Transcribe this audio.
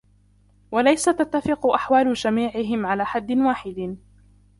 وَلَيْسَ تَتَّفِقُ أَحْوَالُ جَمِيعِهِمْ عَلَى حَدٍّ وَاحِدٍ